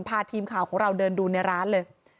พาทีมข่าวของเราเดินดูในร้านเลย